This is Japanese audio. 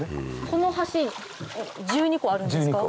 この橋１２個あるんですか？